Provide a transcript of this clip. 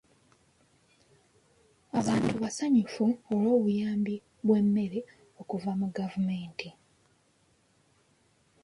Abantu basanyufu olw'obuyambi bw'emmere okuva mu gavumenti.